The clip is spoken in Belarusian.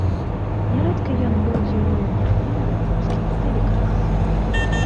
Нярэдка ён быў героем навін беларускіх тэлеканалаў.